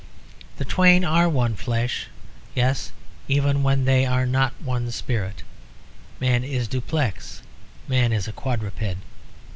The twain are one flesh yes, even when they are not one spirit. Man is duplex. Man is a quadruped.